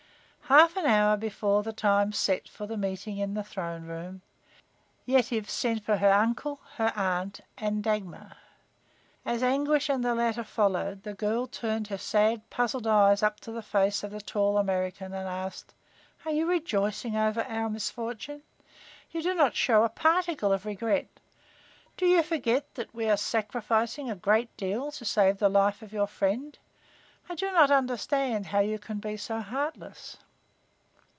Half an hour before the time set for the meeting in the throne room Yetive sent for her uncle, her aunt and Dagmar. As Anguish and the latter followed the girl turned her sad, puzzled eyes up to the face of the tall American and asked: "Are you rejoicing over our misfortune? You do not show a particle of regret. Do you forget that we are sacrificing a great deal to save the life of your friend? I do not understand how you can be so heartless."